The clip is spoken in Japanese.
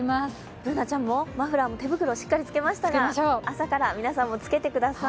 Ｂｏｏｎａちゃんもマフラーや手袋をしっかりつけましたが朝から皆さんもつけてください。